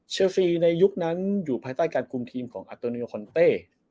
ซีในยุคนั้นอยู่ภายใต้การคุมทีมของอัตโตเนียลคอนเต้